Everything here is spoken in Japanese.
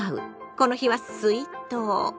この日は水筒。